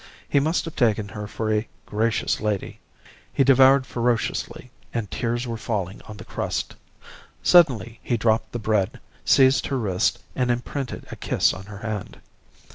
He must have taken her for a 'gracious lady.' He devoured ferociously, and tears were falling on the crust. Suddenly he dropped the bread, seized her wrist, and imprinted a kiss on her hand.